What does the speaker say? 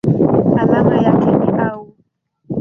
Alama yake ni Au.